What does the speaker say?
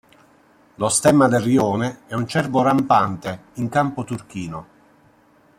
Lo stemma del rione è un cervo rampante in campo turchino.